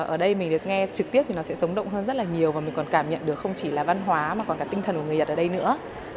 ở đây mình được nghe trực tiếp thì nó sẽ sống động hơn rất là nhiều và mình còn cảm nhận được không chỉ là văn hóa mà còn cả tinh thần của người nhật ở đây nữa